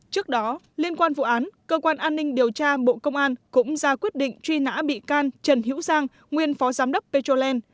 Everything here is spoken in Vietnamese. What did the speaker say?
trước đó liên quan vụ án cơ quan an ninh điều tra bộ công an cũng ra quyết định truy nã bị can trần hiễu giang nguyên phó giám đốc petroland